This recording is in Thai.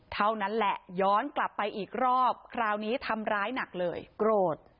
เท่านั้นแหละย้อนกลับไปอีกรอบคราวนี้ทำร้ายหนักเลยโกรธ